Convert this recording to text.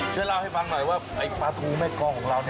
ช่วยเล่าให้ฟังหน่อยว่าไอ้ปลาทูแม่กองของเรา